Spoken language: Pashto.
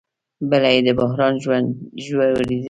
بله یې د بحران د ژورېدو